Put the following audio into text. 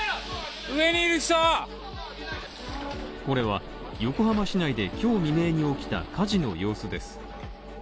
これは横浜市内で今日未明に起きた火事の様子です。